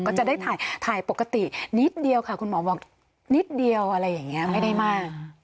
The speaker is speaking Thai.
ก็จะได้ถ่ายปกตินิดเดียวค่ะคุณหมอบอกนิดเดียวอะไรอย่างนี้ไม่ได้มาก